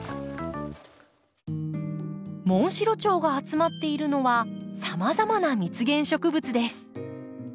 モンシロチョウが集まっているのはさまざまな蜜源植物です。